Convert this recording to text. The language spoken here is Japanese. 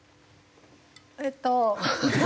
えっと。